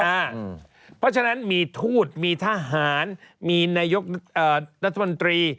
เพราะฉะนั้นมีทูตมีทหารมีนายกรัฐมนตรี